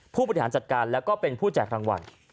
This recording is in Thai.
ผู้บริหารจัดการแล้วก็เป็นผู้แจกรางวัล